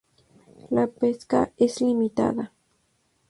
La pesca es limitada.